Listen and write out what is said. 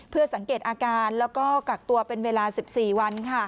เพื่อสังเกตอาการแล้วก็กักตัวเป็นเวลา๑๔วัน